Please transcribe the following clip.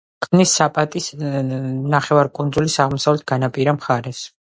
ქმნის საპატის ნახევარკუნძულის აღმოსავლეთ განაპირა მხარეს.